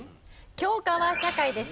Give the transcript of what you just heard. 教科は社会です。